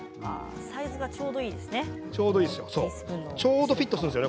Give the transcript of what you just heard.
サイズがちょうどいいですね。